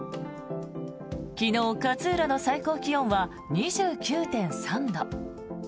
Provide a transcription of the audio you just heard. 昨日、勝浦の最高気温は２９．３度。